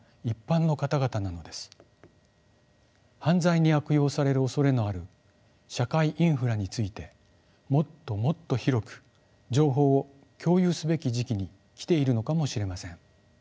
犯罪に悪用されるおそれのある社会インフラについてもっともっと広く情報を共有すべき時期に来ているのかもしれません。